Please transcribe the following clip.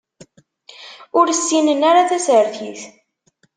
Ur ssinen ara tasertit.